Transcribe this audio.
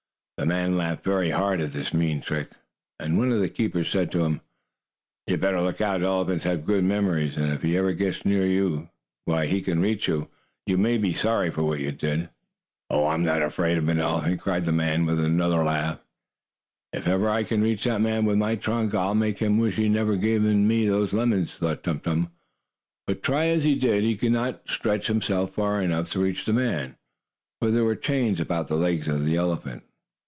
The man laughed very hard at his mean trick, and one of the keepers said to him: "You had better look out. Elephants have good memories, and if ever you get near Tum Tum, where he can reach you, you may be sorry for what you did." "Oh, I'm not afraid of an elephant!" cried the man with another laugh. "If ever I can reach that man with my trunk, I'll make him wish he'd never given me lemons," thought Tum Tum. But, try as he did, he could not stretch himself far enough to reach the man, for there were chains about the legs of the elephant.